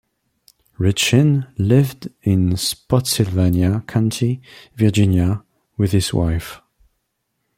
Rechin lived in Spotsylvania County, Virginia with his wife.